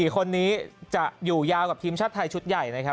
๔คนนี้จะอยู่ยาวกับทีมชาติไทยชุดใหญ่นะครับ